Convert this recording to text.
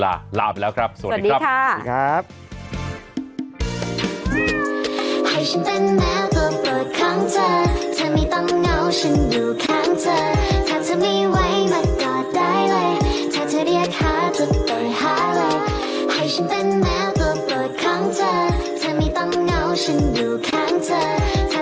ให้ฉันเป็นแมวตัวปลอดของเธอถ้าไม่ต้องเหงาฉันอยู่ข้างเธอ